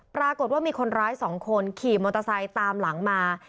ปรากฏว่ามีคนร้าย๒คนขี่มอเตอร์ไซค์ตามหลังมา